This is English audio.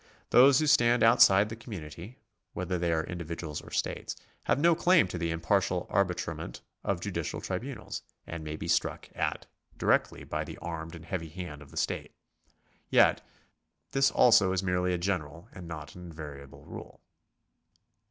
Those who stand outside the com munity— whether they are individuals or stateS' — have no claim to the impartial arbitrament of judicial tribunals, and may be struck at directly by the armed and heavy hand of the state. Yet this also is merely a general, and not an invariable rule.